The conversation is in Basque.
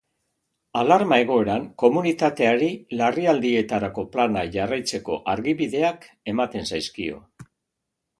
Alarma egoeran komunitateari larrialdietarako plana jarraitzeko argibideak ematen zaizkio.